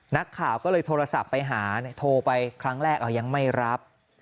นักข่าวก็เลยโทรศัพท์ไปหาโทรไปครั้งแรกยังไม่รับ